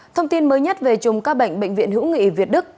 thông tin mới nhất về chùm ca bệnh bệnh viện hữu nghị việt đức